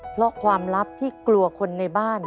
เพราะความลับที่กลัวคนในบ้าน